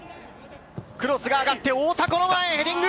クロスが上がって大迫の前、ヘディング。